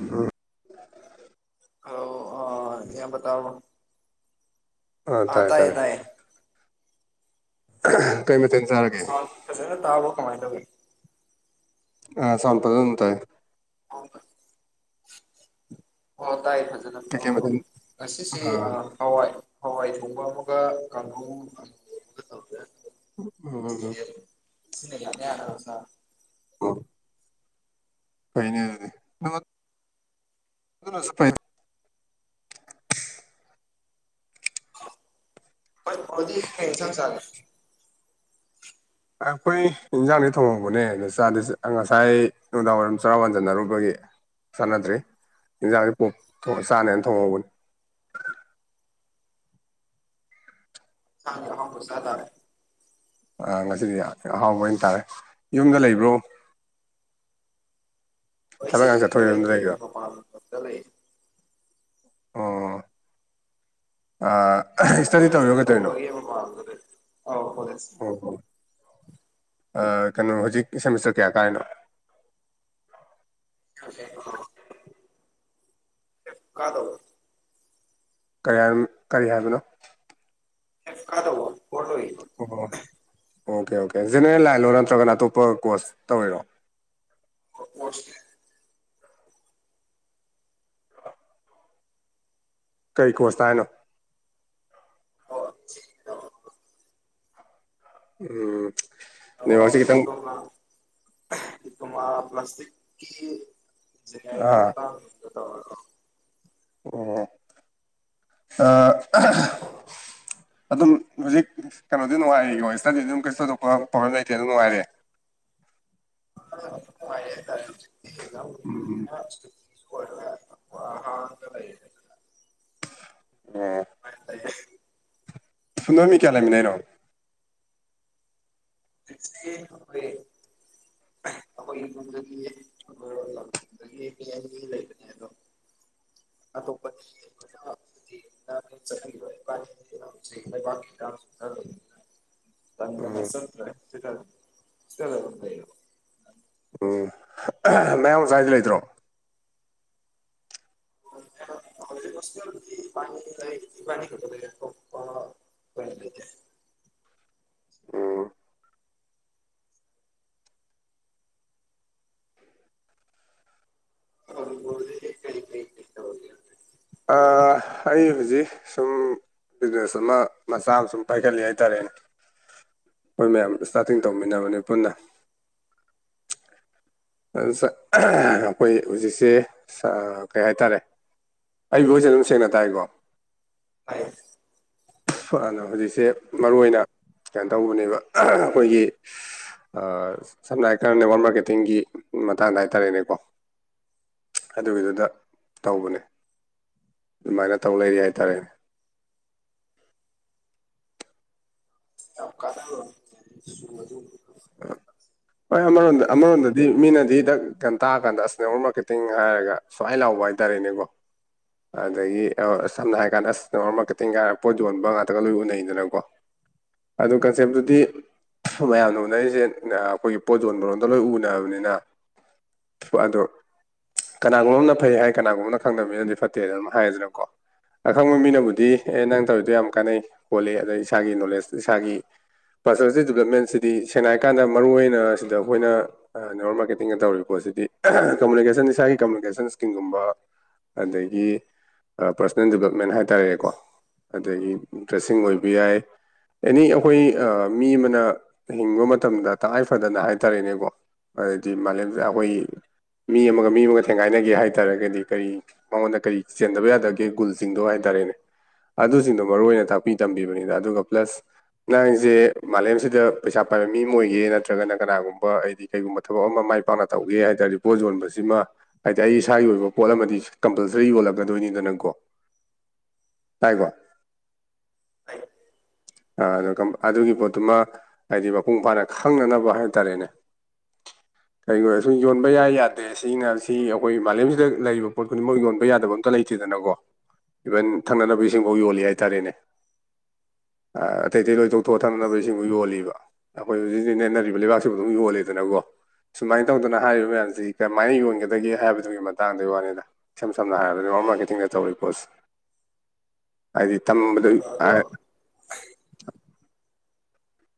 ꯎꯝ [inaudible] hello ꯑ ꯏꯌꯥꯝꯕ ꯇꯥꯔꯕꯣ꯫ ꯑꯥ ꯑ ꯇꯥꯔꯦ ꯇꯥꯢꯌꯦ ꯇꯥꯔꯦ ꯇꯥꯢꯌꯦ [inaudible] ꯑꯣ ꯑ ꯆꯥꯔꯒꯦ ꯁꯥꯔ ꯐꯖꯅ ꯇꯥꯕ꯭ꯔꯣ ꯀꯃꯥꯢ ꯇꯧꯋꯤ꯫ ꯑ ꯁꯥꯎꯟ ꯐꯖꯅ ꯑꯗꯨꯝ ꯇꯥꯢ꯫ [inaudible] ꯑꯥꯎ ꯇꯥꯢ ꯐꯖ ꯀꯩꯀꯩ ꯃꯊꯦꯜ [inaudible] ꯑ ꯁꯤꯁꯦ ꯑ ꯑꯥ ꯍꯋꯥꯏ ꯍꯋꯥꯏ ꯊꯣꯡꯕ ꯑꯃꯒ ꯀꯥꯡꯍꯧ [inaudible] ꯎꯝ ꯆꯦꯞ ꯁꯤꯅ ꯌꯥꯅ ꯌꯥꯅꯕ ꯆꯥꯔꯣ꯫ ꯎꯝ ꯄꯩꯅꯦ ꯑꯗꯨꯗꯤ ꯅꯪ ꯑꯗꯨꯅꯁꯨ ꯐꯩꯗ [unintelligible] ꯀꯩ ꯏꯟꯁꯥꯡ ꯆꯥꯔꯒꯦ꯫ ꯑꯩꯈꯣꯏ ꯏꯟꯖꯥꯡꯗꯤ ꯊꯣꯡꯍꯧꯕꯅꯦ ꯑꯗ ꯆꯗꯤꯆ ꯉꯁꯥꯏ ꯅꯨꯡꯗꯥꯡꯋꯥꯏꯔꯝ ꯆꯔꯥ ꯋꯥꯟꯖꯟꯅꯔꯨꯕꯒꯤ ꯆꯥꯟꯅꯗ꯭ꯔꯦ ꯏꯟꯖꯥꯡꯖꯦ ꯄꯣꯛ ꯊꯣꯡꯉ ꯆꯥꯅꯦꯅ ꯊꯣꯡꯍꯧꯕꯅꯤ꯫ ꯁꯥꯗꯤ ꯑꯍꯥꯎꯕ ꯆꯥꯇꯔꯦ꯫ ꯑꯥ ꯉꯁꯤꯗꯤ ꯑ-ꯑꯍꯥꯎꯕ ꯑꯣꯏꯇꯥꯥꯔꯦ ꯌꯨꯝꯗ ꯂꯩꯕ꯭ꯔꯣ꯫ ꯑꯣꯏ ꯊꯕꯛ ꯁꯤꯗꯤ ꯏꯪꯈꯥꯡ ꯌꯨꯝꯗ ꯆꯠꯊꯣꯛꯏꯔꯣ ꯂꯩꯇꯤꯌꯦ ꯂꯩꯔꯤꯔꯣ ꯃꯄꯥꯟꯂꯝꯗ ꯂꯩꯌꯦ꯫ ꯑ ꯑ ꯑꯍꯥ ꯍꯧꯖꯤꯛꯁꯦ ꯏꯁꯇꯗꯤ ꯀꯣꯂꯦꯖ ꯇꯧꯔꯤꯔꯣ ꯁꯨꯝ ꯀꯩꯗꯧꯅꯣ꯫ ꯇꯧꯕꯒꯤ ꯃꯄꯥꯟꯗ ꯂꯩ ꯑꯧ ꯀꯣꯂꯦꯖ ꯑ ꯀꯩꯅꯣ ꯍꯧꯖꯤꯛ ꯁꯦꯃꯤꯁꯇꯔ ꯀꯌꯥ ꯀꯥꯏꯅꯣ꯫ [inaudible] ꯀꯥꯗꯧꯕ ꯀꯔꯤ ꯍꯥꯢ ꯀꯔꯤ ꯍꯥꯏꯕꯅꯣ꯫ ꯐꯥꯢꯞ ꯀꯗꯧꯕ ꯐꯣꯔ ꯂꯣꯢ ꯑꯣꯍꯣꯋꯣ ꯑꯣꯀꯦ ꯑꯣꯀꯦ ꯖꯦꯅꯦꯔꯦꯜ ꯂꯥꯏꯟꯂꯣ ꯅꯠꯇ꯭ꯔꯒꯅ ꯑꯇꯣꯞꯄ ꯀꯣꯁ ꯇꯧꯔꯤꯔꯣ꯫ [unintelligible] ꯀꯩ ꯀꯣꯁꯇ ꯍꯥꯏꯅꯣ꯫ [inaudible] ꯎꯝ ꯑꯣ ꯅꯦꯠꯋꯥꯛꯁꯦ ꯈꯤꯇꯪ ꯗꯤꯄ꯭ꯂꯣꯃꯥ ꯗꯤꯄ꯭ꯂꯣꯃꯥ ꯄ꯭ꯂꯥꯁꯇꯤꯛꯀꯤ ꯏꯟꯖꯤꯅ꯭ꯌꯥꯔꯤꯡꯒꯤ ꯑꯥ ꯃꯇꯥꯡꯗꯨꯗ ꯇꯧꯔꯦꯀꯣ꯫ ꯎꯝ ꯑ-ꯑꯍꯥꯍ ꯑꯗꯨꯝ ꯍꯧꯖꯤꯛ ꯀꯩꯅꯣꯗꯤ ꯅꯨꯡꯉꯥꯏꯔꯤꯀꯣ ꯏꯁꯇꯗꯤ ꯑꯗꯨꯝ ꯀꯩꯁꯨ ꯊꯧꯗꯣꯛꯄ ꯄ꯭ꯔꯣꯕ꯭ꯂꯦꯝ ꯂꯩꯇꯦ ꯑꯗꯨꯝ ꯅꯨꯡꯉꯥꯏꯔꯤ꯫ ꯎꯝ [inaudible] ꯍꯣꯢ-ꯍꯣꯢ [unintelligible] ꯎꯝ [inaudible] ꯁꯨꯅꯕ ꯃꯤ ꯀꯌꯥ ꯂꯩꯃꯤꯟꯅꯩꯅꯣ꯫ [unintelligible] [inaudible] ꯒꯅꯥ [inaudible] ꯂꯩꯕꯥꯛꯀꯤ ꯏꯔꯥꯡꯖꯨ ꯈꯥ ꯂꯩꯕꯅꯤꯅ꯫ ꯇꯟꯗꯅ ꯎꯝ ꯆꯠꯇ꯭ꯔꯦ ꯗꯨꯒ ꯁ꯭ꯇꯦꯌꯔ ꯗ ꯑꯗꯨꯝ ꯂꯩꯌꯦꯕ ꯎꯝ ꯃꯌꯥꯡ ꯃꯆꯥꯗꯤ ꯂꯩꯇ꯭ꯔꯣ [unintelligible] [unintelligible] ꯎꯝ [unintelligible] [unintelligible] ꯑꯥ ꯑꯩ ꯍꯨꯖꯤꯛ ꯁꯨꯝ ꯕꯤꯖꯤꯅꯦꯁ ꯑꯃ ꯃꯆꯥ ꯑꯃ ꯁꯨꯝ ꯄꯥꯏꯈꯠꯂꯤ ꯍꯥꯏꯇꯥꯔꯦ ꯑꯩꯈꯣꯏ ꯃꯌꯥꯝ ꯏꯁꯇꯥꯔꯇꯤꯡ ꯇꯧꯃꯤꯟꯅꯕꯅꯦ ꯄꯨꯟꯅ ꯆꯠ ꯑꯩꯈꯣꯏ ꯍꯨꯖꯤꯛꯁꯦ ꯑꯥ ꯀꯩ ꯍꯥꯏꯇꯥꯔꯦ ꯑꯩ ꯚꯣꯏꯁ ꯁꯦ ꯑꯗꯨꯝ ꯁꯦꯡꯅ ꯇꯥꯏꯀꯣ [unintelligible] ꯍꯥꯟꯅ ꯍꯨꯖꯤꯛꯁꯦ ꯃꯔꯨ ꯑꯣꯏꯅ ꯀꯩꯅꯣ ꯇꯧꯕꯅꯦꯗ ꯑꯩꯈꯣꯏꯒꯤ ꯑꯥ ꯁꯝꯅ ꯍꯥꯏꯀꯥꯟꯗ ꯅꯦꯋꯥꯛ ꯃꯥꯔꯀꯦꯇꯤꯡꯒꯤ ꯃꯇꯥꯡꯗ ꯍꯥꯏꯇꯥꯔꯦꯅꯦꯀꯣ ꯑꯗꯨꯒꯤꯗꯨꯗ ꯇꯧꯕꯅꯦ ꯑꯗꯨꯃꯥꯏꯅ ꯇꯧ ꯂꯩꯔꯤ ꯍꯥꯏꯇꯥꯔꯦꯅꯦ [unintelligible] ꯍꯣꯏ ꯑꯃꯔꯣꯝꯗ ꯑꯣꯏ ꯑꯃꯔꯣꯝꯗ ꯗꯤ ꯃꯤꯅꯗꯤ ꯗꯛ ꯀꯟ ꯇꯥ ꯀꯥꯟꯗ ꯑꯁ ꯅꯦꯠꯋꯔ꯭ꯛ ꯃꯥꯔꯀꯦꯇꯤꯡꯒ ꯍꯥꯏꯔꯒ ꯁ꯭ꯋꯥꯥꯏ ꯂꯥꯎꯕ ꯍꯥꯏꯇꯥꯔꯦꯅꯦꯀꯣ ꯑꯗꯒꯤ ꯑ ꯁꯝꯅ ꯍꯥꯏꯔꯀꯥꯟꯗ ꯑꯁ ꯅꯦꯠꯋꯔ꯭ꯛ ꯃꯥꯔꯀꯦꯇꯤꯡꯒ ꯍꯥꯏꯔ ꯄꯣꯠ ꯌꯣꯟꯕ ꯉꯥꯛꯇꯒ ꯂꯣꯏ ꯎꯅꯩꯗꯅꯀꯣ ꯑꯗꯨꯝ ꯀꯟꯁꯦꯞꯇꯨꯗꯤ ꯃꯌꯥꯝꯅ ꯅꯩꯖꯦꯟꯅ ꯑꯩꯈꯣꯏꯒꯤ ꯄꯣꯠ ꯌꯣꯟꯕꯔꯣꯝꯗ ꯂꯣꯏ ꯎꯅꯕꯅꯤꯅ ꯑꯗꯣ ꯀꯅꯥꯒꯨꯝꯕ ꯑꯝꯅ ꯐꯩ ꯍꯥꯏ ꯀꯅꯥꯒꯨꯝꯕꯅ ꯈꯪꯗ ꯃꯤꯅꯗꯤ ꯐꯠꯇꯦ ꯑꯗꯨꯝ ꯍꯥꯏꯌꯦꯗꯅꯀꯣ ꯑꯈꯪꯕ ꯃꯤꯅꯕꯨꯗꯤ ꯑꯦ ꯅꯪ ꯇꯧꯔꯤꯗꯣ ꯌꯥꯝ ꯀꯥꯟꯅꯩ ꯈꯣꯠꯂꯤ ꯑꯗꯩ ꯏꯁꯥꯒꯤ ꯅꯣꯂꯦꯖ ꯏꯁꯥꯒꯤ ꯄꯔꯁꯅꯦꯂꯤꯇꯤ ꯗꯤꯕ꯭ꯂꯞꯃꯦꯟꯁꯤꯗꯤ ꯁꯦꯡꯅ ꯍꯥꯏꯀꯥꯟꯗ ꯃꯔꯨꯏ ꯑꯣꯏꯅ ꯁꯤꯗ ꯑꯩꯈꯣꯏꯅ ꯑ ꯅꯦꯠꯋꯔ꯭ꯛ ꯃꯥꯔꯀꯦꯇꯤꯡꯗ ꯇꯧꯔꯤꯕ ꯄꯣꯠꯁꯤꯗꯤ ꯀꯝꯃꯨꯅꯤꯀꯦꯁꯟ ꯏꯁꯥꯒꯤ ꯀꯝꯃꯨꯅꯤꯀꯦꯁꯟ ꯏꯁꯀꯤꯜꯒꯨꯝꯕ ꯑꯗꯒꯤ ꯑ ꯄꯔꯁꯅꯦꯜ ꯗꯤꯕ꯭ꯂꯞꯃꯦꯟ ꯍꯥꯏꯇꯥꯔꯦꯀꯣ ꯑꯗꯒꯤ ꯗ꯭ꯔꯦꯁꯁꯤꯡ ꯑꯣꯏꯕ ꯌꯥꯏ ꯑꯦꯅꯤ ꯑꯩꯈꯣꯏ ꯑ ꯃꯤ ꯑꯃꯅ ꯍꯤꯡꯕ ꯃꯇꯝꯗ ꯇꯉꯥꯏ ꯐꯗꯅ ꯍꯥꯏꯇꯥꯔꯦꯅꯦꯀꯣ ꯑꯗꯤ ꯃꯥꯂꯦꯝꯁꯤꯗ ꯑꯩꯈꯣꯏꯒꯤ ꯃꯤ ꯑꯃꯒ ꯃꯤ ꯑꯃꯒ ꯊꯦꯡꯒꯥꯏꯅꯒꯦ ꯍꯥꯏꯇꯥꯔꯒꯗꯤ ꯀꯔꯤ ꯅꯉꯣꯟꯗ ꯀꯔꯤ ꯆꯦꯟꯗꯕ ꯌꯥꯗꯒꯦ ꯒꯨꯜꯁꯤꯡꯗꯣ ꯍꯥꯏꯇꯥꯔꯦꯅꯦ ꯑꯗꯨꯁꯤꯡꯗꯣ ꯃꯔꯨꯑꯣꯏꯅ ꯇꯥꯛꯄꯤ ꯇꯝꯕꯤꯕꯅꯤꯗ ꯑꯗꯨꯒ ꯄ꯭ꯂꯁ ꯅꯪꯖꯦ ꯃꯥꯂꯦꯝꯁꯤꯗ ꯄꯩꯁꯥ ꯄꯥꯏꯕ ꯃꯤ ꯑꯃ ꯑꯣꯏꯒꯦ ꯅꯠꯇ꯭ꯔꯒꯅ ꯀꯅꯥꯒꯨꯝꯕ ꯍꯥꯏꯗꯤ ꯀꯩꯒꯨꯝꯕ ꯊꯕꯛ ꯑꯃ ꯃꯥꯏ ꯄꯥꯛꯅ ꯇꯧꯒꯦ ꯍꯥꯏ ꯇꯥꯔꯗꯤ ꯄꯣꯠ ꯌꯣꯟꯕꯁꯤꯃ ꯍꯥꯏꯗꯤ ꯑꯩ ꯏꯁꯥꯒꯤ ꯑꯣꯏꯕ ꯄꯣꯠ ꯑꯃꯗꯤ ꯀꯝꯄꯜꯁꯔꯤ ꯌꯣꯜꯂꯛꯀꯗꯣꯏꯅꯤꯗꯅꯀꯣ ꯇꯥꯏꯀꯣ ꯂꯥꯏꯛ ꯑꯥꯑꯗꯨ ꯀꯝ ꯑꯗꯨꯒꯤ ꯄꯣꯠꯇꯨꯃ ꯍꯥꯏꯗꯤ ꯃꯄꯨꯡ ꯐꯥꯅ ꯈꯪꯅꯅꯕ ꯍꯥꯏꯇꯥꯔꯦꯅꯦ [inaudible] ꯀꯩꯕꯨ ꯑꯣꯏꯔꯁꯨ ꯌꯣꯟꯕ ꯌꯥꯏ ꯌꯥꯗꯦ ꯁꯤꯅ ꯁꯤ ꯑꯩꯈꯣꯏ ꯃꯥꯂꯦꯝꯁꯤꯗ ꯂꯩꯔꯤꯕ ꯄꯣꯠ ꯈꯨꯗꯤꯡꯃꯛ ꯌꯣꯟꯕ ꯌꯥꯗꯕ ꯑꯝꯇ ꯂꯩ ꯊꯤꯗꯅꯀꯣ ꯏꯕꯟ ꯊꯛꯅꯅꯕ ꯏꯁꯤꯡꯐꯥꯎ ꯌꯣꯜꯂꯤ ꯍꯥꯏꯇꯥꯔꯦꯅꯦ ꯑꯥ ꯑꯇꯩ ꯑꯇꯩ ꯂꯣꯏ ꯇꯣꯛꯊꯣꯛꯑꯣ ꯊꯛꯅꯕ ꯏꯁꯤꯡꯐꯧ ꯌꯣꯜꯂꯤꯕ ꯑꯩꯈꯣꯏ ꯍꯧꯖꯤꯛꯖꯤꯛ ꯅꯦꯠꯅꯔꯤꯕ ꯂꯩꯕꯥꯛꯁꯤꯕꯨ ꯑꯗꯨꯝ ꯌꯣꯜꯂꯦꯗꯅꯀꯣ ꯁꯨꯃꯥꯏ ꯇꯧꯗꯅ ꯍꯥꯏꯔꯤꯕ ꯃꯌꯥꯝꯁꯤ ꯀꯝꯃꯥꯏ ꯌꯣꯟꯒꯗꯒꯦ ꯍꯥꯏꯕꯗꯨꯒꯤ ꯃꯇꯥꯡꯗꯨꯏ ꯋꯥꯅꯦꯗ ꯏꯁꯝ ꯁꯝꯅ ꯍꯥꯏꯔꯕꯗ ꯅꯦꯠꯋꯔ꯭ꯛ ꯃꯥꯔꯀꯦꯇꯤꯡꯗ ꯇꯧꯔꯤ ꯄꯣꯠꯁꯤ ꯍꯥꯏꯗꯤ ꯃꯌꯥꯝ ꯇꯝꯕꯗꯩ ꯑꯗꯣ ꯑꯥꯏ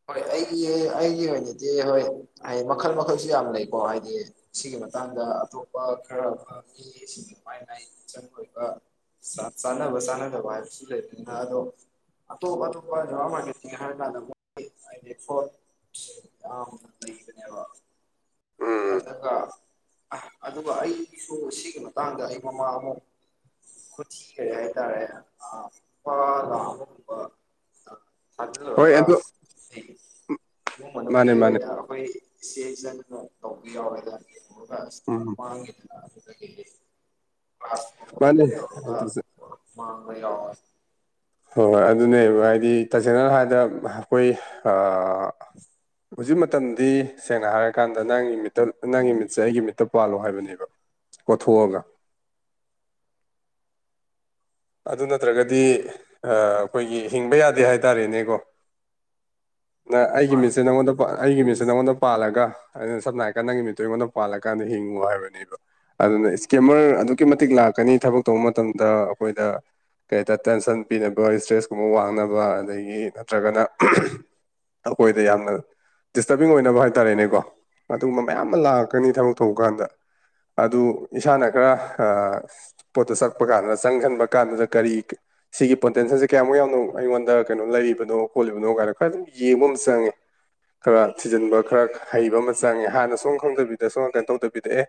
ꯍꯣꯏ ꯑꯩꯒꯤ ꯑꯩꯒꯤ ꯑꯣꯏꯅꯗꯤ ꯍꯣꯏ ꯍꯩ ꯃꯈꯜ ꯃꯈꯜꯁꯨ ꯌꯥꯝ ꯂꯩꯀꯣ ꯍꯥꯏꯗꯤ ꯁꯤꯒꯤ ꯃꯇꯥꯡꯗ ꯑꯇꯣꯞꯄ ꯈꯔ ꯈꯔ ꯃꯤꯁꯤꯡ ꯃꯥꯏ ꯃꯥꯏ ꯃꯤꯆꯪ ꯑꯣꯏꯕ ꯆꯥꯡ ꯆꯥꯟꯅꯕ ꯆꯥꯟꯅꯗꯕ ꯍꯥꯏꯕꯁꯤ ꯂꯩꯕꯅꯤꯅ ꯑꯗꯣ ꯑꯇꯣꯞ ꯑꯇꯣꯞꯄ ꯅꯦꯠꯋꯔ꯭ꯛ ꯃꯥꯔꯀꯦꯇꯤꯡ ꯍꯥꯏꯔꯀꯥꯟꯗ [unintelligible] ꯎꯝ ꯑꯗꯒ ꯑꯥ ꯑꯗꯨꯒ ꯑꯩꯁꯨ ꯁꯤꯒꯤ ꯃꯇꯥꯡꯗ ꯑꯩ ꯃꯃꯥꯡ ꯑꯃ ꯈꯨꯠꯊꯤꯒ꯭ꯔꯦ ꯍꯥꯏꯇꯥꯔꯦ ꯑꯥ ꯂꯨꯄꯥ ꯂꯥꯛ ꯑꯃꯥ ꯒꯨꯝꯕ ꯍꯣꯏ ꯊꯥꯖꯜꯂꯨꯔꯒ ꯑꯗꯨ ꯗꯤ ꯏꯃꯨꯡ ꯃꯅꯨꯡꯒꯤ ꯃꯥꯅꯦ ꯃꯥꯅꯦ ꯑꯣꯏꯅ ꯑꯩꯈꯣꯏ ꯏꯆꯦ ꯏꯆꯟ ꯗꯒ ꯇꯧꯕ ꯌꯥꯎꯔꯦꯗ ꯄꯨꯔꯒꯥ ꯑꯁ ꯎꯝ ꯃꯥꯡꯒꯤꯗꯟ [unintelligible] ꯃꯥꯅꯦ ꯑꯗꯨꯁꯨ ꯃꯥꯡꯕ ꯌꯥꯎꯌ‌ꯦ ꯍꯣꯏ ꯍꯣꯏ ꯑꯗꯨꯅꯦꯕ ꯍꯥꯏꯗꯤ ꯇꯁꯦꯡꯅ ꯍꯥꯏꯗ ꯑꯩꯈꯣꯏ ꯑꯥ ꯍꯧꯖꯤꯛ ꯃꯇꯝꯗꯤ ꯁꯦꯡꯅ ꯍꯥꯏꯔꯀꯥꯟꯗ ꯅꯪꯒꯤ ꯃꯤꯠꯇ ꯅꯪꯒꯤ ꯃꯤꯠꯁꯦ ꯑꯩꯒꯤ ꯃꯤꯠꯇ ꯄꯥꯜꯂꯣ ꯍꯥꯏꯕꯅꯦꯕ ꯀꯣꯊꯣꯛꯑꯒ ꯑꯗꯨ ꯅꯠꯇ꯭ꯔꯒꯗꯤ ꯑꯥ ꯑꯩꯈꯣꯏꯒꯤ ꯍꯤꯡꯕ ꯌꯥꯗꯦ ꯍꯥꯏꯇꯥꯔꯦꯅꯦꯀꯣ ꯅꯪ ꯑꯩꯒꯤ ꯃꯥꯅꯤ ꯃꯤꯠꯁꯦ ꯅꯉꯣꯟꯗ ꯄꯥ ꯑꯩꯒꯤ ꯃꯤꯠꯁꯦ ꯅꯪꯉꯣꯟꯗ ꯄꯥꯜꯂꯒ ꯑꯩꯅ ꯁꯝꯅ ꯍꯥꯏꯀꯥꯟꯗ ꯅꯪꯒꯤ ꯃꯤꯠꯇꯣ ꯑꯩꯉꯣꯟꯗ ꯄꯥꯜꯂꯀꯥꯟꯗ ꯍꯤꯡꯉꯨ ꯍꯥꯏꯕꯅꯦꯕ ꯑꯗꯨꯅ ꯏꯁꯀꯦꯃꯔ ꯑꯗꯨꯛꯀꯤ ꯃꯇꯤꯛ ꯂꯥꯛꯀꯅꯤ ꯊꯕꯛ ꯇꯧꯕ ꯃꯇꯝꯗ ꯑꯈꯣꯏꯗ ꯀꯩ ꯍꯥꯏꯇꯥ ꯇꯦꯟꯁꯟ ꯄꯤꯅꯕ ꯏꯁꯇ꯭ꯔꯦꯁ ꯀꯨꯝꯕ ꯋꯥꯡꯅꯕ ꯑꯗꯒꯤ ꯅꯠꯇ꯭ꯔꯒꯅ ꯑꯈꯣꯏꯗ ꯌꯥꯝꯅ ꯗꯤꯁꯇꯕꯤꯡ ꯑꯣꯏꯅꯕ ꯍꯥꯏꯇꯥꯔꯦꯅꯦꯀꯣ ꯑꯗꯨꯒꯨꯝꯕ ꯃꯌꯥꯝ ꯑꯃ ꯂꯥꯛꯀꯅꯤ ꯊꯕꯛ ꯇꯧ ꯀꯥꯟꯗ ꯑꯗꯨ ꯏꯁꯥꯅ ꯈꯔ ꯑꯥ ꯄꯣꯠꯇꯨ ꯆꯛꯄ ꯀꯥꯟꯗ ꯆꯪꯖꯟꯕ ꯀꯥꯟꯗꯨꯗ ꯀꯔꯤ ꯁꯤꯒꯤ ꯄꯣꯇꯦꯟꯁꯦꯜꯁꯦ ꯀꯌꯥꯃꯨꯛ ꯌꯥꯝꯅꯣ ꯑꯩꯉꯣꯟꯗ ꯀꯩꯅꯣ ꯂꯩꯔꯤꯕꯅꯣ ꯈꯣꯠꯂꯤꯕꯅꯣ ꯀꯥꯏꯅ ꯈꯔ ꯑꯗꯨꯝ ꯌꯦꯡꯕ ꯑꯃ ꯆꯪꯉꯦ ꯈꯔ ꯊꯤꯖꯤꯟꯕ ꯈꯔ ꯍꯩꯕ ꯑꯃ ꯆꯪꯉꯦ ꯍꯥꯟꯅ ꯁꯨꯡ‌ꯈꯪ ꯈꯪꯗꯕꯤꯗ ꯁꯨꯡ ꯀꯩꯝ ꯇꯧꯗꯕꯤꯗ ꯑꯦ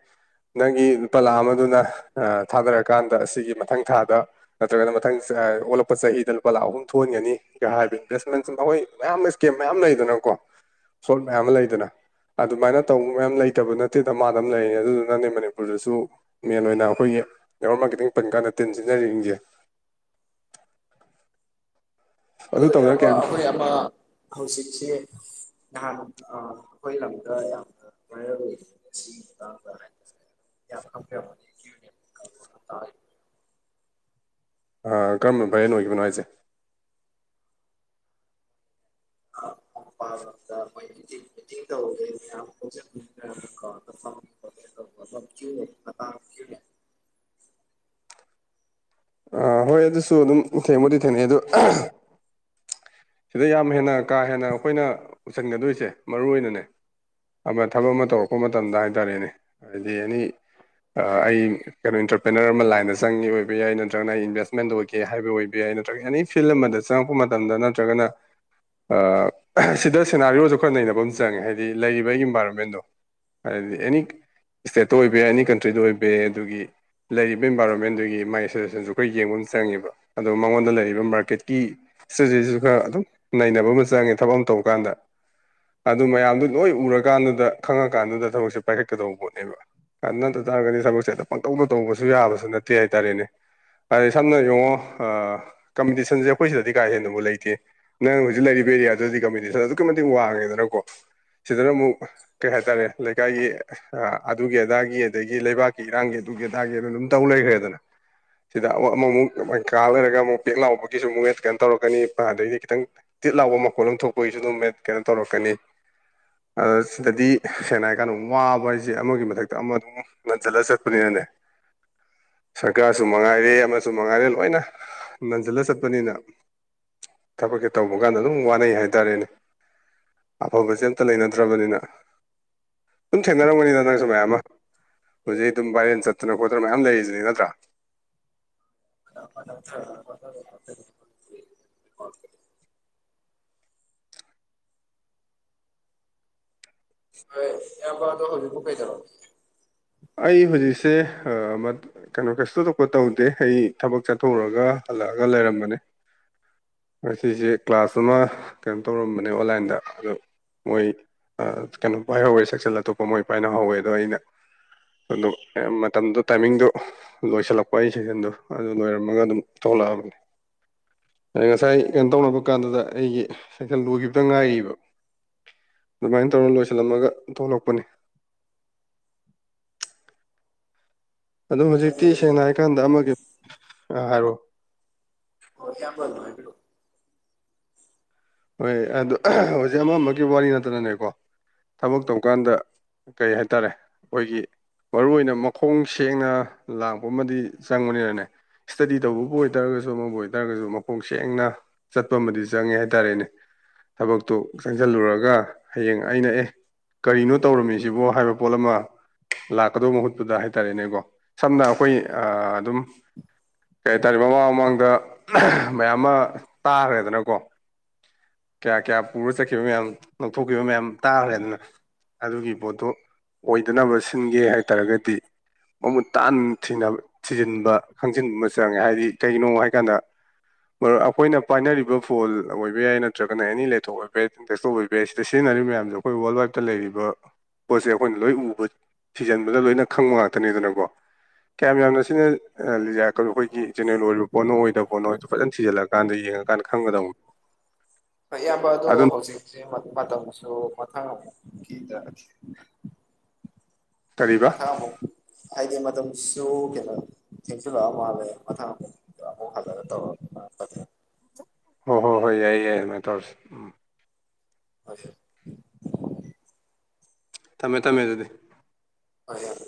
ꯅꯪꯒꯤ ꯂꯨꯄꯥ ꯂꯥꯛ ꯑꯃꯗꯨꯅ ꯑꯥ ꯊꯥꯗꯔꯀꯥꯟꯗ ꯁꯤꯒꯤ ꯃꯊꯪ ꯊꯥꯗ ꯅꯠꯇ꯭ꯔꯒꯅ ꯃꯊꯪ ꯆꯥ ꯑꯣꯜꯂꯛꯄ ꯆꯍꯤꯗ ꯂꯨꯄꯥ ꯂꯥꯛ ꯑꯍꯨꯝ ꯊꯣꯛꯍꯟꯒꯅꯤ ꯀ ꯍꯥꯏꯕ ꯏꯟꯚꯦꯁꯃꯦꯟ ꯃꯈꯣꯏ ꯃꯌꯥꯝ ꯏꯁꯀꯦꯝ ꯃꯌꯥꯝ ꯂꯩꯗꯅꯀꯣ ꯁꯣꯜ ꯃꯌꯥꯝ ꯑꯃ ꯂꯩꯗꯅ ꯑꯗꯨꯃꯥꯏꯅ ꯇꯧꯕ ꯃꯌꯥꯝ ꯂꯩꯇꯕ ꯅꯠꯇꯦꯗ ꯗꯃꯥꯗꯝ ꯂꯩꯔꯤꯅꯤ ꯑꯗꯨꯗꯨꯅꯅꯦ ꯃꯅꯤꯄꯨꯔꯗꯁꯨ ꯃꯦꯟ ꯑꯣꯏꯅ ꯑꯩꯈꯣꯏꯒꯤ [unintelligible] ꯈꯤꯇꯪ ꯄꯟ ꯀꯥꯟꯗ ꯇꯤꯟ ꯁꯤꯠꯅꯔꯤꯁꯤꯡꯁꯦ ꯑꯗꯨ ꯑꯗ‌ꯣ ꯇꯧꯗꯅ ꯏꯌꯥꯝꯕ ꯀꯌꯥ ꯑꯩꯈꯣꯏ ꯑꯃ ꯍꯧꯖꯤꯛꯁ‌ꯦ ꯅꯍꯥꯟ ꯑꯥ ꯑꯈꯣꯏ ꯂꯝꯗ ꯌꯥꯝꯅ ꯚꯥꯏꯔꯦꯜ ꯑꯣꯏ ꯁꯤꯒꯤ ꯃꯇꯥꯡꯗ ꯌꯥꯝ [unintelligible] ꯑꯥ ꯀꯔꯝꯕ ꯚꯥꯏꯔꯦꯜ ꯑꯣꯏꯈꯤꯕꯅꯣ ꯍꯥꯏꯁꯦ ꯑ ꯃꯄꯥꯟꯂꯝꯗ ꯑꯈꯣꯏ ꯃꯤꯇꯤꯡ ꯇꯧꯗꯨꯏ ꯃꯌꯥꯝ [unintelligible] [unintelligible] ꯑꯥ ꯍꯣꯏ ꯑꯗꯨꯁꯨ ꯑꯗꯨꯝ ꯊꯦꯡꯕꯨꯗꯤ ꯊꯦꯡꯅꯩ ꯑꯗꯨ ꯁꯤꯗ ꯌꯥꯝ ꯍꯦꯟꯅ ꯀꯥ ꯍꯦꯟꯅ ꯑꯩꯈꯣꯏꯅ ꯎꯁꯟꯒꯗꯨꯏꯁꯦ ꯃꯔꯨ ꯑꯣꯏꯅꯅꯦ ꯑꯃ ꯊꯕꯛ ꯑꯃ ꯇꯧꯔꯛꯄ ꯃꯇꯝꯗ ꯍꯥꯏꯇꯥꯔꯦꯅꯦ ꯍꯥꯏꯗꯤ ꯑꯦꯅꯤ ꯑꯥ ꯑꯩ [unintelligible] ꯏꯟꯇꯔꯄ꯭ꯔꯦꯅꯔ ꯑꯃ ꯂꯥꯏꯟꯗ ꯆꯪꯉꯤ ꯑꯣꯏꯕ ꯌꯥꯏ ꯅꯠꯇ꯭ꯔꯒꯅ ꯑꯩ ꯏꯟꯚꯦꯁꯃꯦꯟꯗ ꯑꯣꯏꯒꯦ ꯍꯥꯏꯕ ꯑꯣꯏꯕ ꯌꯥꯏ ꯅꯠꯇ꯭ꯔꯒ ꯑꯦꯅꯤ ꯐꯤꯜ ꯑꯃꯗ ꯆꯪꯉꯛꯄ ꯃꯇꯝꯗ ꯅꯠꯇ꯭ꯔꯒꯅ ꯑꯥ ꯁꯤꯗ ꯁꯦꯅꯥꯔꯤꯌꯣꯁꯨ ꯈꯔ ꯅꯩꯅꯕ ꯑꯃ ꯆꯪꯉꯦ ꯍꯥꯏꯗꯤ ꯂꯩꯔꯤꯕ ꯏꯟꯚꯥꯏꯔꯣꯟꯃꯦꯟꯗꯣ ꯍꯥꯏꯗꯤ ꯑꯦꯅꯤ ꯏꯁꯇꯦꯠꯇ ꯑꯣꯏꯕ ꯌꯥꯏ ꯑꯦꯅꯤ ꯀꯟꯇ꯭ꯔꯤꯗ ꯑꯣꯏꯕ ꯌꯥꯏ ꯑꯗꯨꯒꯤ ꯂꯩꯔꯤꯕ ꯏꯟꯚꯥꯏꯔꯣꯟꯃꯦꯟꯗꯨꯒꯤ ꯃꯥꯒꯤ ꯑꯦꯁꯣꯁꯦꯁꯟꯁꯨ ꯈꯔ ꯌꯦꯡꯕ ꯑꯝ ꯆꯪꯉꯦꯕ ꯑꯗꯣ ꯃꯉꯣꯟꯗ ꯂꯩꯔꯤꯕ ꯃꯥꯔꯀꯦꯠꯀꯤ ꯁꯇ꯭ꯔꯦꯇꯦꯖꯤꯁꯨ ꯒꯥ ꯑꯗꯨꯝ ꯅꯩꯅꯕ ꯑꯃ ꯆꯪꯉꯦ ꯊꯕꯛ ꯑꯃ ꯇꯧꯕ ꯀꯥꯟꯗ ꯑꯗꯨ ꯃꯌꯥꯝꯗꯨ ꯂꯣꯏ ꯎꯔꯀꯥꯟꯗꯨꯗ ꯈꯪꯉ ꯀꯥꯟꯗꯨꯗ ꯊꯕꯛꯁꯦ ꯄꯥꯏꯈꯠꯀꯗꯧ ꯄꯣꯠꯅꯦꯕ ꯗꯨ ꯅꯠꯇ ꯇꯥꯔꯒꯗꯤ ꯊꯕꯛꯁꯦ ꯍꯦꯛꯇ ꯄꯪꯇꯧꯗ ꯇꯧꯕꯁꯨ ꯌꯥꯕꯁꯨ ꯅꯠꯇꯦ ꯍꯥꯏꯇꯥꯔꯦꯅꯦ ꯍꯥꯏꯗꯤ ꯁꯝꯅ ꯌꯦꯡꯉꯣ ꯑꯥ ꯀꯝꯄꯤꯇꯤꯁꯟꯁꯦ ꯑꯩꯈꯣꯏ ꯁꯤꯗꯗꯤ ꯀꯥ ꯍꯦꯟꯅꯕꯨ ꯂꯩꯇꯦ ꯅꯪ ꯍꯧꯖꯤꯛ ꯂꯩꯔꯤꯕ ꯑꯦꯔꯤꯌꯥꯗꯨꯗꯗꯤ ꯀꯝꯄꯤꯇꯤꯁꯟ ꯑꯗꯨꯛꯀꯤ ꯃꯇꯤꯛ ꯋꯥꯡꯉꯦꯗꯅꯀꯣ ꯁꯤꯗꯅ ꯑꯃꯨꯛ ꯀꯩ ꯍꯥꯏꯇꯥꯔꯦ ꯂꯩꯀꯥꯏꯒꯤ ꯑ ꯑꯗꯨꯒꯤ ꯑꯗꯥꯒꯤ ꯑꯗꯒꯤ ꯂꯩꯕꯥꯛꯀꯤ ꯏꯔꯥꯡꯒꯤ ꯑꯗꯨꯒꯤ ꯑꯗꯥꯒꯤ ꯑꯗꯨ ꯗꯨꯝ ꯇꯧ ꯂꯩꯈ꯭ꯔꯦꯗꯅ ꯁꯤꯗ ꯑꯃꯃꯨꯛ ꯃꯩ ꯀꯥ ꯂꯩꯔꯒ ꯑꯃꯨꯛ ꯄꯦꯛ ꯂꯥꯎꯕꯒꯤꯁꯨ ꯑꯃꯨꯛ ꯍꯦ ꯀꯩꯅꯣ ꯇꯧꯔꯛꯀꯅꯤ ꯑꯗꯩꯗꯤ ꯈꯤꯇꯪ ꯇꯤꯠ ꯂꯥꯎꯕ ꯃꯈꯣꯜ ꯑꯃ ꯊꯣꯛꯄꯒꯤꯁꯨ ꯑꯗꯨꯝ ꯀꯩꯅꯣ ꯇꯧꯔꯛꯀꯅꯤ ꯑꯗ ꯁꯤꯗꯗꯤ ꯁꯦꯡꯅ ꯍꯥꯏꯀꯥꯟꯗ ꯋꯥꯕ ꯍꯥꯏꯁꯦ ꯑꯃꯒꯤ ꯃꯊꯛꯇ ꯑꯃ ꯑꯗꯨꯝ ꯅꯟ ꯆꯂ ꯆꯠꯅꯤꯅꯅꯦ ꯁꯔꯀꯥꯔꯁꯨ ꯃꯉꯥꯏꯔꯦ ꯑꯃꯁꯨ ꯃꯉꯥꯏꯔꯦ ꯂꯣꯏꯅ ꯅꯟꯁꯜꯂ ꯆꯠꯄꯅꯤꯅ ꯊꯕꯛꯁꯦ ꯇꯧꯕ ꯀꯥꯟꯗ ꯑꯗꯨꯝ ꯋꯥꯅꯩ ꯍꯥꯏꯇꯥꯔꯦꯅꯦ ꯑꯐꯕꯁꯦ ꯑꯝꯇ ꯂꯩꯅꯗ꯭ꯔꯕꯅꯤꯅ ꯑꯗꯨꯝ ꯊꯦꯡꯅꯔꯝꯒꯅꯤꯅ ꯅꯪꯁꯨ ꯃꯌꯥꯝ ꯑꯃ ꯍꯧꯖꯤꯛ ꯑꯗꯨꯝ ꯕꯥꯥꯏꯔꯦꯟ ꯆꯠꯇꯅ ꯈꯣꯠꯇꯅ ꯃꯌꯥꯝ ꯂꯩꯔꯤꯗꯨꯅꯤ ꯅꯠꯇ꯭ꯔꯥ [unintelligible] ꯍꯣꯏ ꯏꯌꯥꯝꯕ ꯑꯗꯣ ꯍꯧꯖꯤꯛꯐꯥꯎ ꯀꯩꯗꯧ ꯑꯩ ꯍꯧꯖꯤꯛꯁꯦ ꯀꯩꯅꯣ ꯀꯩꯁꯨ ꯊꯣꯏꯗꫭꯛꯄ ꯇꯧꯗꯦ ꯑꯩ ꯊꯕꯛ ꯆꯠꯊꯣꯛꯎꯔꯒ ꯍꯜꯂꯛꯑꯒ ꯂꯩꯔꯝꯕꯅꯦ ꯑꯁꯤꯁꯦ ꯀ꯭ꯂꯥꯁ ꯑꯃ ꯀꯩꯅꯣ ꯇꯧꯔꯝꯕꯅꯦ ꯑꯣꯟꯂꯥꯏꯟꯗ ꯑꯗꯣ ꯃꯣꯏ ꯀꯩꯅꯣ ꯄꯥꯏꯍꯧꯋꯦ ꯁꯦꯛꯁꯜ ꯑꯇꯣꯞꯄ ꯃꯣꯏ ꯄꯥꯏꯅꯍꯧꯋꯦ ꯑꯗꯣ ꯑꯩꯅ ꯑꯗꯨ ꯃꯇꯝꯗꯨ ꯇꯥꯏꯃꯤꯡꯗꯨ ꯂꯣꯏꯁꯤꯜꯂꯛꯄ ꯑꯩ ꯁꯦꯛꯖꯟꯗꯣ ꯑꯗꯨ ꯂꯣꯏꯔꯝꯃꯒ ꯑꯗꯨꯝ ꯊꯣꯛꯂꯛꯑꯕꯅꯤ ꯑꯗ ꯉꯁꯥꯏ ꯀꯩꯅꯣ ꯇꯧꯅꯕ ꯀꯥꯟꯗꯨꯗ ꯑꯩꯒꯤ ꯁꯥꯏꯀꯜ ꯂꯣꯏꯈꯤꯕꯗ ꯉꯥꯏꯔꯤꯕ ꯑꯗꯨꯃꯥꯏꯅ ꯇꯧꯔ ꯂꯣꯏꯁꯤꯜꯂꯝꯃꯒ ꯊꯣꯛꯂꯛꯄꯅꯤ ꯑꯗꯨꯝ ꯍꯧꯖꯤꯛꯇꯤ ꯁꯦꯡꯅ ꯍꯥꯏꯀꯥꯟꯗ ꯑꯃꯒꯤ ꯍꯥꯏꯔꯛꯑꯣ ꯏꯌꯥꯝꯕ ꯑꯗꯨꯝ ꯍꯥꯏꯕꯤꯔꫭ ꯍꯣꯏ ꯑꯗꯨ ꯍꯧꯖꯤꯛ ꯑꯃꯝꯕ ꯋꯥꯔꯤ ꯅꯠꯇꯅꯅꯦꯀꯣ ꯊꯕꯛ ꯇꯧꯀꯥꯟꯗ ꯀꯩ ꯍꯥꯏꯇꯥꯔꯦ ꯑꯩꯈꯣꯏꯒꯤ ꯃꯔꯨ ꯑꯣꯏꯅ ꯃꯈꯣꯡ ꯁꯦꯡꯅ ꯂꯥꯛꯄ ꯑꯃꯗꯤ ꯆꯪꯕꯅꯤꯅꯅꯦ ꯏꯁ꯭ꯇꯗꯤ ꯇꯧꯕꯕꯨ ꯑꯣꯏꯇꯥꯔꯒꯁꯨ ꯑꯃꯕꯨ ꯑꯣꯏꯇꯥꯔꯒꯁꯨ ꯃꯄꯣꯛ ꯁꯦꯡꯅ ꯆꯠꯄ ꯑꯃꯗꯤ ꯆꯪꯉꯦ ꯍꯥꯏꯇꯥꯔꯦꯅꯦ ꯊꯕꯛꯇꯨ ꯆꯪꯁꯤꯜꯂꯨꯔꯒ ꯍꯌꯦꯡ ꯑꯩꯅ ꯑꯦ ꯀꯔꯤꯅꯣ ꯇꯧꯔꯝꯃꯤꯁꯤꯕꯣ ꯍꯥꯏꯕ ꯄꯣꯠ ꯑꯃ ꯂꯥꯛꯀꯗꯧꯕ ꯃꯍꯨꯠꯄꯨꯗ ꯍꯥꯏꯇꯥꯔꯦꯅꯦꯀꯣ ꯁꯝꯅ ꯑꯩꯈꯣꯏ ꯑꯗꯨꯝ ꯀꯩ ꯍꯥꯏꯇꯥꯔꯦ ꯃꯃꯥꯡ ꯃꯃꯥꯡꯗ ꯃꯌꯥꯝ ꯑꯃ ꯇꯥꯈ꯭ꯔꯦꯗꯅꯀꯣ ꯀꯌꯥ ꯀꯌꯥ ꯄꯨꯔ ꯆꯠꯈꯤꯕ ꯃꯌꯥꯝ ꯂꯧꯊꯣꯛꯈꯤꯕ ꯃꯌꯥꯝ ꯇꯥꯈ꯭ꯔꯦ ꯑꯗꯨꯅ ꯑꯗꯨꯒꯤ ꯄꯣꯠꯇꯨ ꯑꯣꯏꯗꯅꯕ ꯁꯤꯟꯒꯦ ꯍꯥꯏꯇꯥꯔꯒꯗꯤ ꯃꯃꯨꯠ ꯇꯥꯅ ꯊꯅꯕ ꯊꯤꯖꯤꯟꯕ ꯈꯪꯖꯤꯟꯕ ꯆꯪꯉꯦ ꯍꯥꯏꯕꯗꯤ ꯀꯩꯒꯤꯅꯣ ꯍꯥꯏꯀꯥꯟꯗ ꯃꯔ ꯑꯩꯈꯣꯏꯅ ꯄꯥꯏꯅꯔꯤꯕ ꯐꯣꯜ ꯑꯣꯏꯕ ꯌꯥꯏ ꯅꯠꯇ ꯅꯠꯇ꯭ꯔꯒꯅ ꯑꯦꯅꯤ ꯂꯩꯇꯊꯣꯛ ꯑꯣꯏꯕ ꯌꯥꯏ ꯇꯦꯁꯇꯣ ꯑꯣꯏꯕ ꯌꯥꯏ ꯁꯤꯗ ꯁꯤꯖꯤꯟꯅꯔꯤꯕ ꯃꯌꯥꯝꯁꯦ ꯑꯩꯈꯣꯏ ꯋꯥꯔꯜꯗ ꯋꯥꯏꯗꯇ ꯂꯩꯔꯤꯕ ꯄꯣꯠꯁꯦ ꯑꯩꯈꯣꯏꯅ ꯂꯣꯏ ꯎꯕ ꯊꯤꯖꯤꯟꯕꯗ ꯂꯣꯏꯅ ꯈꯪꯕ ꯉꯥꯛꯇꯅꯦꯗꯅꯀꯣ ꯀꯌꯥꯝ ꯌꯥꯝꯅ ꯁꯤꯅ ꯂꯤ ꯀꯩꯅꯣ ꯑꯩꯈꯣꯏꯒꯤ ꯖꯦꯔꯦꯜ ꯑꯣꯏꯔꯤꯕ ꯄꯣꯠꯣ ꯑꯣꯏꯗꯕ ꯄꯣꯠꯣꯣꯏꯗꯣ ꯐꯖꯅ ꯁꯤꯖꯜꯂꯑꯀꯥꯟꯗꯡꯉ ꯀꯀꯥꯟ ꯈꯪꯒꯗꯕꯅꯦ ꯐꯩꯌꯥꯝꯕ ꯑꯗꯣ ꯍꯧꯖꯤꯛꯁꯦ ꯃꯇꯝꯁꯨ ꯃꯊꯪꯀꯤꯗ ꯀꯔꯤꯕ ꯃꯊꯪ ꯑꯃꯨꯛ ꯍꯥꯏꯗꯤ ꯃꯇꯝꯁꯨ ꯀꯦꯂ ꯊꯦꯡ ꯂꯥꯛꯑꯣ ꯃꯥꯦ ꯃꯊꯪ ꯑꯃꯨꯛ ꯍ ꯍ ꯇ ꯀꯦ ꯍꯣꯏ ꯍꯣꯏ ꯍꯣꯏ ꯌꯥꯏꯌꯦ ꯌꯥꯏ ꯑꯗꯨꯃꯥꯏꯅ ꯇꯧꯔꯁꯤ ꯎꯝ ꯑ [unintelligible] ꯊꯝꯃꯦ ꯊꯝꯃꯦ ꯑꯗꯨꯗꯤ ꯍꫭꯏ ꯏꯌꯥꯝꯕ